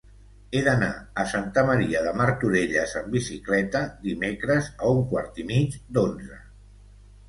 He d'anar a Santa Maria de Martorelles amb bicicleta dimecres a un quart i mig d'onze.